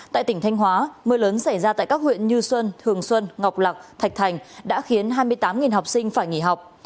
tại tỉnh thanh hóa mưa lớn xảy ra tại các huyện như xuân thường xuân ngọc lạc thạch thành đã khiến hai mươi tám học sinh phải nghỉ học